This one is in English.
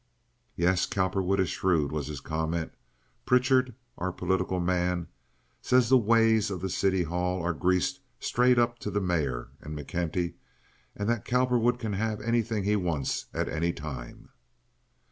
"Yes, Cowperwood is shrewd," was his comment. "Pritchard, our political man, says the ways of the City Hall are greased straight up to the mayor and McKenty, and that Cowperwood can have anything he wants at any time.